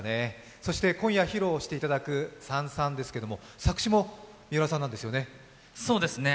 そして今夜披露していただく「燦燦」ですけれども、作詩も三浦さんなんですよね。